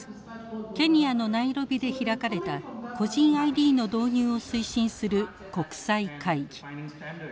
ケニアのナイロビで開かれた個人ＩＤの導入を推進する国際会議。